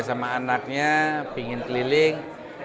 dan juga anaknya pengen keliling